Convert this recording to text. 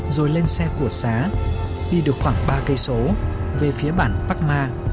rồi lên xe của xá đi được khoảng ba km về phía bản park ma